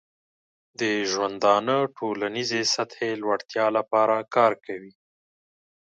د ژوندانه ټولنیزې سطحې لوړتیا لپاره کار کوي.